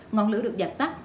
ngọn lửa được giặt tắt